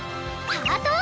ハートを！